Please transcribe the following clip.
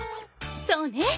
そうね。